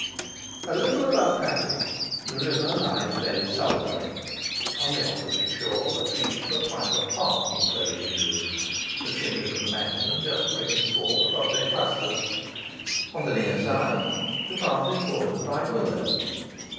A little above Padwick the river lies very solitary. On the opposite shore the trees of a private park enclose the view, the chimneys of the mansion just pricking forth above their clusters; on the near side the path is bordered by willows.